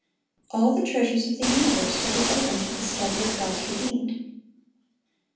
All the treasures of the universe will be open to the study of God's redeemed.